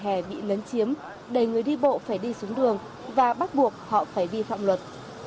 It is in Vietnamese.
nhiều tuyến phố bị lấn chiếm đầy người đi bộ phải đi xuống đường và bắt buộc họ phải vi phạm luật